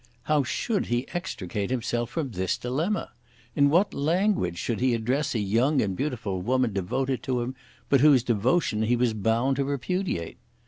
How should he extricate himself from this dilemma? In what language should he address a young and beautiful woman devoted to him, but whose devotion he was bound to repudiate?